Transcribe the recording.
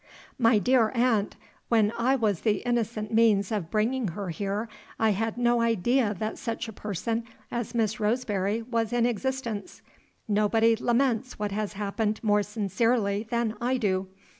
"My dear aunt, when I was the innocent means of bringing her here I had no idea that such a person as Miss Roseberry was in existence. Nobody laments what has happened more sincerely than I do.